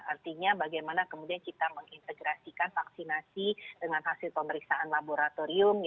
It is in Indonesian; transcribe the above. artinya bagaimana kemudian kita mengintegrasikan vaksinasi dengan hasil pemeriksaan laboratorium